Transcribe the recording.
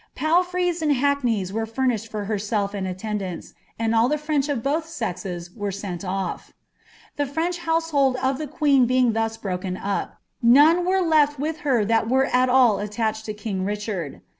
•■ Palfreys and hackneys were ruinished for herself and BtietRhMl*,i*d all the French of boili sexes were sent ofl? The French htiuaehulJ of the i|ueen bcin|^ thus broken up, noue were left with her tliat wntalill attached to king Richard.